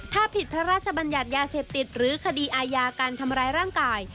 ถ้าผิดพระราชบัญญัติยาเสพติดหรือคดีอาญาการทำร้ายร่างกาย